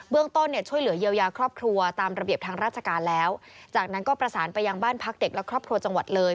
ต้นเนี่ยช่วยเหลือเยียวยาครอบครัวตามระเบียบทางราชการแล้วจากนั้นก็ประสานไปยังบ้านพักเด็กและครอบครัวจังหวัดเลย